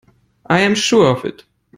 I am sure of it.